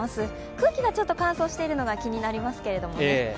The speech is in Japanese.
空気がちょっと乾燥しているのが気になりますけどね。